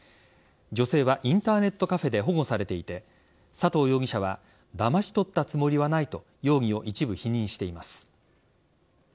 女性はインターネットカフェで保護されていて佐藤容疑者はだまし取ったつもりはないと容疑を一部否認しています。